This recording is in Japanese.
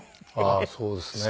あっそうですね。